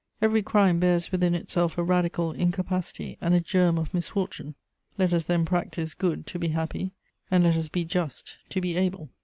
Every crime bears within itself a radical incapacity and a germ of misfortune: let us then practise good to be happy, and let us be just to be able.